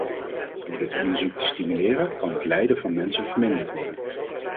Door dit onderzoek te stimuleren, kan het lijden van mensen verminderd worden.